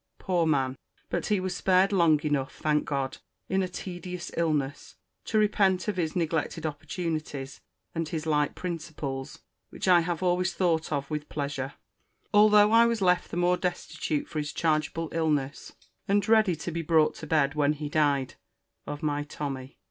Poor man!—but he was spared long enough, thank God, in a tedious illness, to repent of his neglected opportunities, and his light principles; which I have always thought of with pleasure, although I was left the more destitute for his chargeable illness, and ready to be brought to bed, when he died, of my Tommy.